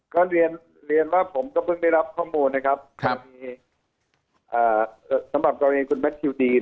ก็เรียนเรียนว่าผมก็เพิ่งได้รับข้อมูลนะครับกรณีสำหรับกรณีคุณแมททิวดีน